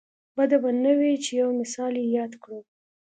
بده به نه وي چې یو مثال یې یاد کړو.